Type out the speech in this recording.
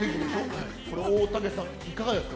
これ、大竹さん、いかがですか？